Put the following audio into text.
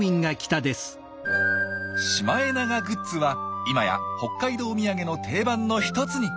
シマエナガグッズは今や北海道土産の定番の一つに。